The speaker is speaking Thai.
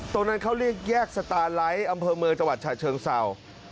ตรงนั้นเขาเรียกแยกสตาร์ไลท์อำเภอเมืองจังหวัดฉะเชิงเศร้า